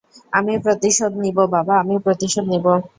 আমি প্রতিশোধ নিবো, বাবা, আমি প্রতিশোধ নিবো!